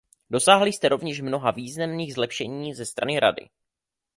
Dosáhli jste rovněž mnoha významných zlepšení ze strany Rady.